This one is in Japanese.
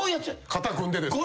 肩組んでですか？